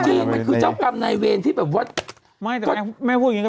จริงมันคือเจ้ากรรมนายเวรแบบเวรค่ะ